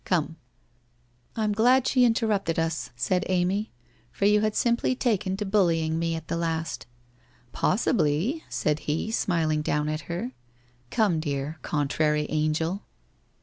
Come/ ' I am glad she interrupted us,' said Amy, ' for you had simply taken to bullying me, at the last.' ' Possibly/ said he smiling down at her. ' Come, dear contrary angel